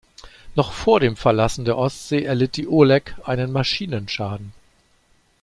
Noch vor dem Verlassen der Ostsee erlitt die "Oleg" einen Maschinenschaden.